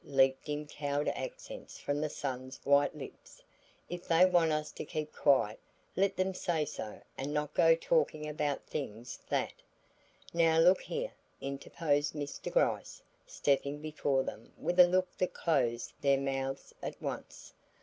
leaped in cowed accents from the son's white lips. "If they want us to keep quiet, let them say so and not go talking about things that " "Now look here," interposed Mr. Gryce stepping before them with a look that closed their mouths at once.